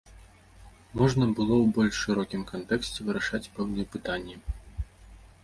Можна было ў больш шырокім кантэксце вырашаць пэўныя пытанні.